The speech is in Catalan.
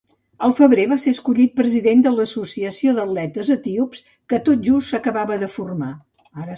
Al febrer, va ser escollit president de l'Associació d'Atletes Etíops, que tot just s'acabava de formar.